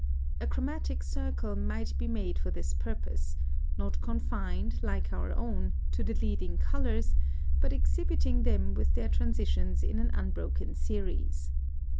A chromatic circle might be made for this purpose, not confined, like our own, to the leading colours, but exhibiting them with their transitions in an unbroken series.